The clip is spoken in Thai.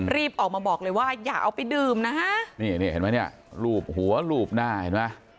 รีบออกมาบอกเลยว่าอย่าเอาไปดื่มนะฮะนี่นี่เห็นไหมเนี่ยรูปหัวลูบหน้าเห็นไหม